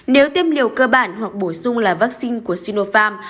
nếu tiêm liều cơ bản hoặc bổ sung là vaccine của sinopharm